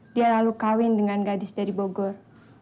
dia lalu kawin dengan gadis dari bogor